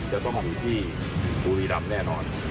จะต้องอยู่ที่บุรีรำแน่นอน